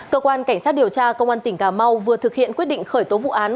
cơ quan cảnh sát điều tra công an tỉnh cà mau vừa thực hiện quyết định khởi tố vụ án